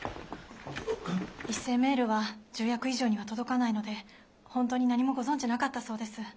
一斉メールは重役以上には届かないので本当に何もご存じなかったそうです。